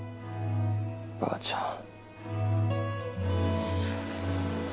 あばあちゃん。